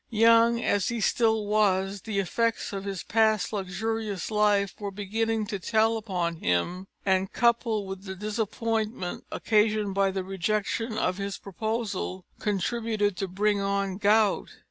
Young as he still was, the effects of his past luxurious life were beginning to tell upon him, and, coupled with the disappointment occasioned by the rejection of his proposal, contributed to bring on gout.